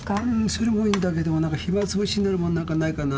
それもいいんだけどもなんか暇つぶしになるものなんかないかな？